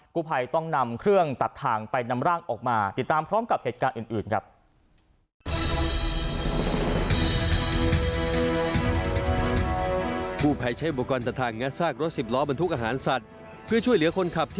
ผู้ภัยต้องนำเครื่องตัดทางไปนำร่างออกมาติดตามพร้อมกับเหตุการณ์อื่นครับ